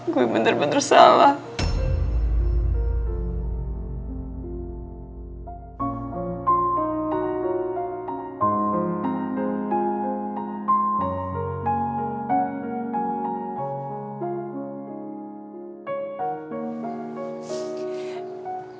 gue bener bener salah